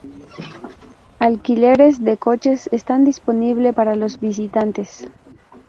Alquileres de coches están disponible para los visitantes.